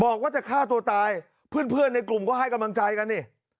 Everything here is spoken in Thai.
บอกว่าจะฆ่าตัวตายเพื่อนในกลุ่มก็ให้กำลังใจกันนี่